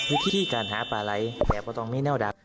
วิธีการหาปลาไหลแต่ก็ต้องมีแนวดัก